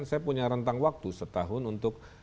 saya punya rentang waktu setahun untuk